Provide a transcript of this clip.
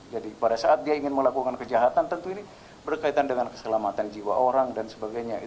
jadi pada saat dia ingin melakukan kejahatan tentu ini berkaitan dengan keselamatan jiwa orang dan sebagainya